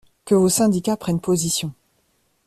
que vos syndicats prennent position